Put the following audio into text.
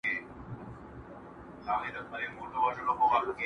د شلو کارگانو علاج يوه ډبره ده.